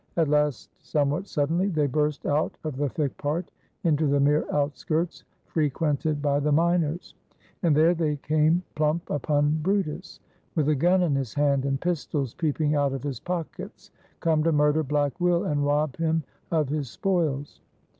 At last, somewhat suddenly, they burst out of the thick part into the mere outskirts frequented by the miners, and there they came plump upon brutus, with a gun in his hand and pistols peeping out of his pockets, come to murder Black Will and rob him of his spoils.